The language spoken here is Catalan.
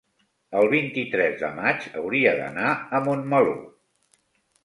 el vint-i-tres de maig hauria d'anar a Montmeló.